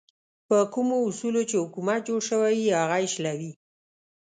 په کومو اصولو چې حکومت جوړ شوی وي هغه یې شلوي.